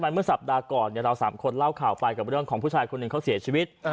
เมื่อสัปดาห์ก่อนเราสามคนเล่าข่าวไปกับเรื่องของผู้ชายคนหนึ่งเขาเสียชีวิต